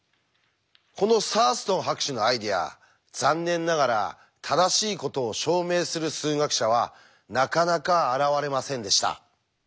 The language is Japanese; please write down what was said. このサーストン博士のアイデア残念ながら正しいことを証明する数学者はなかなか現れませんでした。